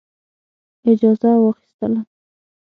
اجازه واخیستله.